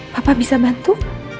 papa bisa bantu